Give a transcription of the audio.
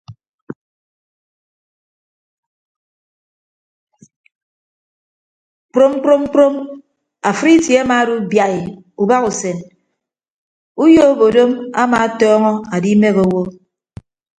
Kprom kprom kprom afịd itie amaado biaii ubahasen uyo obodom ama atọñọ adimehe owo.